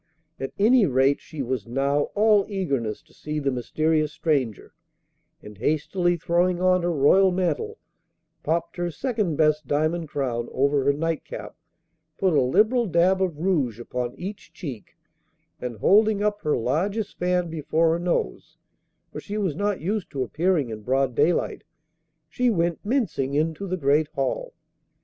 At any rate, she was now all eagerness to see the mysterious stranger, and hastily throwing on her royal mantle, popped her second best diamond crown over her night cap, put a liberal dab of rouge upon each cheek, and holding up her largest fan before her nose for she was not used to appearing in broad daylight she went mincing into the great hall.